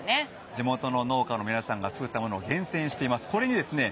地元の農家の皆さんが作ったものを厳選しています。